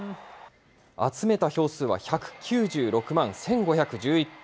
集めた票数は１９６万１５１１票。